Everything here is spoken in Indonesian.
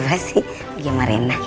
ya udah sih pergi sama rena